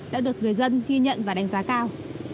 đã được người dân ghi nhận và đánh giá cao